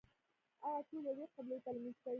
آیا ټول یوې قبلې ته لمونځ کوي؟